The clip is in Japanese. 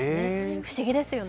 不思議ですよね。